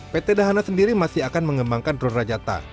pt dahana sendiri masih akan mengembangkan drone rajata